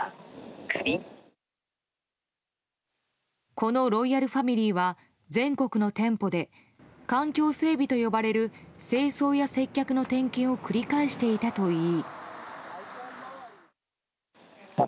このロイヤルファミリーは全国の店舗で環境整備と呼ばれる清掃や接客の点検を繰り返していたといい。